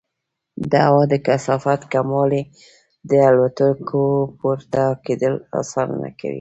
د هوا د کثافت کموالی د الوتکو پورته کېدل اسانه کوي.